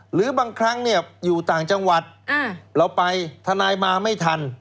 หรือบางครั้งเนี่ยอยู่ต่างจังหวัดเราไปทนายมาไม่ทัน